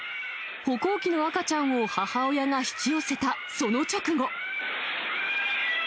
歩行器の赤ちゃんを母親が引き寄せたその直後。